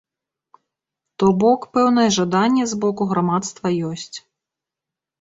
То бок пэўнае жаданне з боку грамадства ёсць.